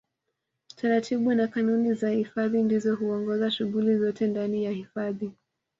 Taratibu na kanuni za hifadhi ndizo huongoza shughuli zote ndani ya hifadhi